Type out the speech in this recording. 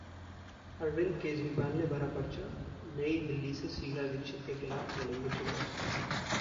अरविंद केजरीवाल ने भरा पर्चा, नई दिल्ली से शीला दीक्षित के खिलाफ लड़ेंगे चुनाव